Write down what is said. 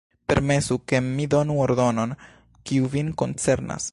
Permesu, ke mi donu ordonon, kiu vin koncernas.